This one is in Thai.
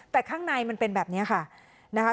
แต่ข้างในมันเป็นแบบนี้ค่ะนะคะ